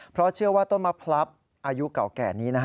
เพราะเชื่อว่าต้นมะพลับอายุเก่าแก่นี้นะฮะ